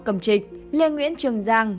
cầm trịch lê nguyễn trường giang